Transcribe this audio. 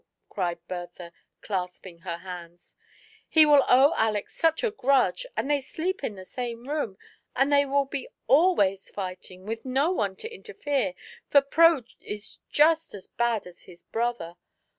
cried Bertha, clasping her hands; he will owe Aleck such a grudge, and they sleep in the same room, and they will be always fighting, with no one to interfere, for Pro is just as bad as his brother.